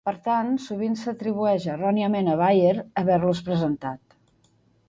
Per tant, sovint s'atribueix erròniament a Bayer haver-los presentat.